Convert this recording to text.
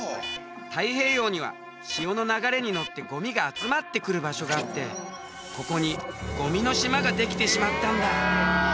太平洋には潮の流れに乗ってごみが集まってくる場所があってここにごみの島ができてしまったんだ！